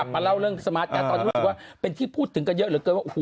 เป็นการลงรูปกับแบบนี้